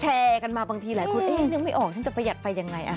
แชร์กันมาบางทีหลายคนเอ๊ะนึกไม่ออกฉันจะประหยัดไปยังไง